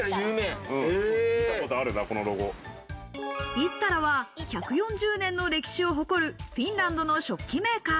イッタラは１４０年の歴史を誇るフィンランドの食器メーカー。